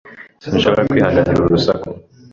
Sinshobora kwihanganira uru rusaku.